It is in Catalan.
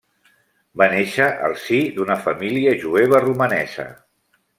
Va néixer al si d'una família jueva romanesa.